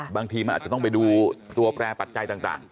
บางทีมันอาจจะต้องไปดูตัวแปรปัจจัยต่าง